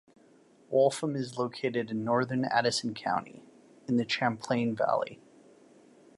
Waltham is located in northern Addison County, in the Champlain Valley.